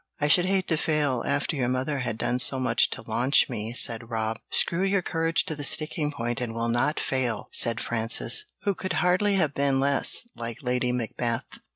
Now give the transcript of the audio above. "I should hate to fail, after your mother had done so much to launch me," said Rob. "'Screw your courage to the sticking point and we'll not fail,'" said Frances, who could hardly have been less like Lady Macbeth.